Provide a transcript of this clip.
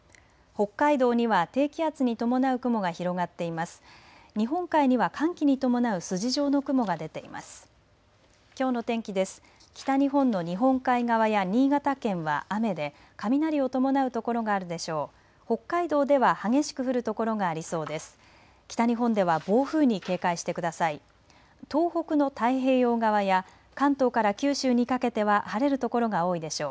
北日本の日本海側や新潟県は雨で雷を伴う所があるでしょう。